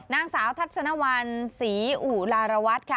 นางสาวทัศนวัลศรีอุราวัต